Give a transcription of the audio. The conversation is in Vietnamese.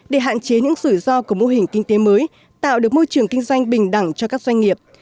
để hạn chế những rủi ro của mô hình kinh tế mới tạo được môi trường kinh doanh bình đẳng cho các doanh nghiệp